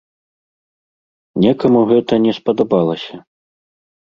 Некаму гэта не спадабалася.